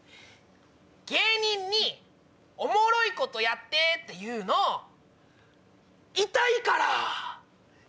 芸人に「おもろいことやって」って言うのイタいから！